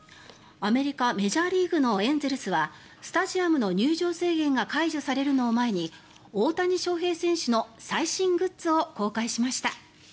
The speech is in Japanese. アメリカ・メジャーリーグのエンゼルスはスタジアムの入場制限が解除されるのを前に大谷翔平選手の最新グッズを公開しました。